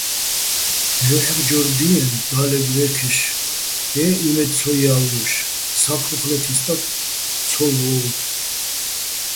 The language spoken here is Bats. ჲუჰ̦ეხჯორ დიეჼო̆, და́ლეგ ვე́ქეშ-ე იმედ ცო ჲა́ვჲოშ სა́ქმოხ ლეთინი̆ სტაკ ცო ვოუ̆ვო̆.